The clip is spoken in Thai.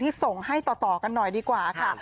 ส่งให้ต่อกันหน่อยดีกว่าค่ะ